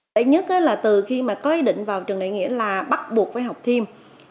đấy nhất là từ khi mà có ý định vào trường này nghĩa là bắt buộc phải học thêm